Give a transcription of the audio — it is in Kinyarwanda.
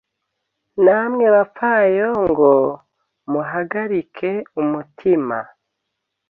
namwe bapfayongo, muhagarike umutima;